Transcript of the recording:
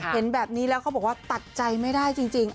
เห็นแบบนี้แล้วเขาบอกว่าตัดใจไม่ได้จริง